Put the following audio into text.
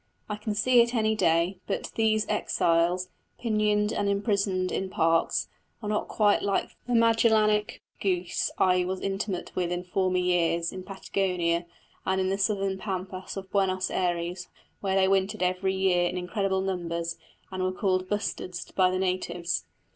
I can see it any day; but these exiles, pinioned and imprisoned in parks, are not quite like the Magellanic geese I was intimate with in former years, in Patagonia and in the southern pampas of Buenos Ayres, where they wintered every year in incredible numbers, and were called "bustards" by the natives.